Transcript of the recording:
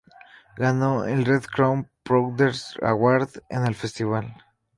Ganó el "Red Crown Producer’s Award" en el festival.